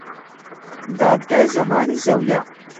دادگای زەمانی زەویە